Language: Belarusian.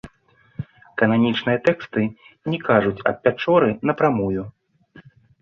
Кананічныя тэксты не кажуць аб пячоры напрамую.